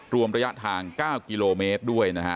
รวมระยะทาง๙กิโลเมตรด้วยนะฮะ